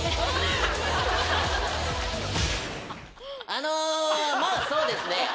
あのまぁそうですね。